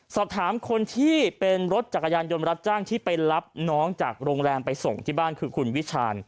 สอบถามคนที่เป็นรถจักรยานยนต์รับจ้างที่ไปรับน้องจากโรงแรมไปส่งที่บ้านคือคุณวิชาญ